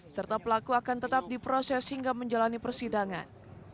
serta pelaku akan tetap diproses hingga menjalani persidangan